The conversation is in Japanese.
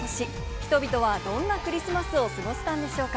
人々はどんなクリスマスを過ごしたんでしょうか。